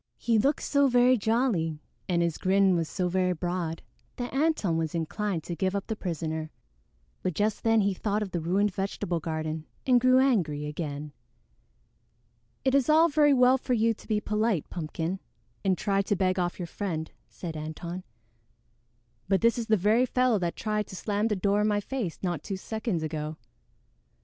He looked so very jolly and his grin was so very broad that Antone was inclined to give up the prisoner; but just then he thought of the ruined vegetable garden and grew angry again. "It is all very well for you to be polite, Pumpkin, and try to beg off your friend," said Antone, "but this is the very fellow that tried to slam the door in my face not two seconds ago."